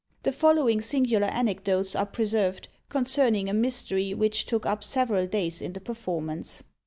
The following singular anecdotes are preserved, concerning a Mystery which took up several days in the performance.